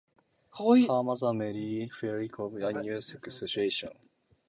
Her mother Mary Fairlie Cooper was a New York socialite.